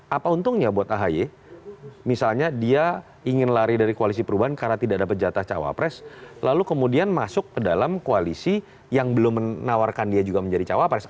apa untungnya buat ahy misalnya dia ingin lari dari koalisi perubahan karena tidak dapat jatah cawapres lalu kemudian masuk ke dalam koalisi yang belum menawarkan dia juga menjadi cawapres